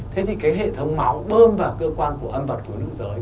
thế thì cái hệ thống máu bơm vào cơ quan âm vật của nữ giới